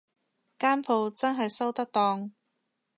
間舖真係收得檔